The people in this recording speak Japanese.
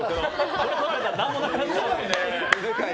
これ取られたら何もなくなっちゃうから。